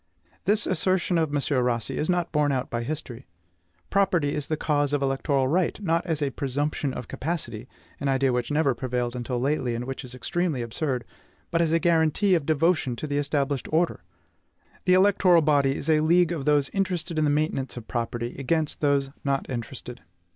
This assertion of M. Rossi is not borne out by history. Property is the cause of the electoral right, not as a PRESUMPTION OF CAPACITY, an idea which never prevailed until lately, and which is extremely absurd, but as a GUARANTEE OF DEVOTION TO THE ESTABLISHED ORDER. The electoral body is a league of those interested in the maintenance of property, against those not interested.